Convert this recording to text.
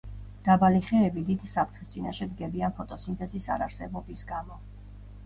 დაბალი ხეები დიდი საფრთხის წინაშე დგებიან ფოტოსინთეზის არარსებობის გამო.